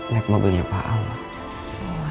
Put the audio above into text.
liat mobilnya pak alma